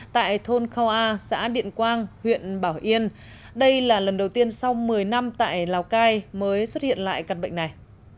tại thôn khao a xã điện quang huyện bảo yên đây là lần đầu tiên sau một mươi năm tại lào cai mới xuất hiện lại căn bệnh này